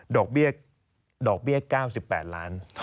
ดอกเบี้ย๙๘ล้าน